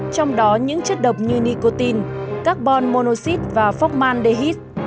trong đó những chất độc như nicotine carbon monoxid và phocman dehid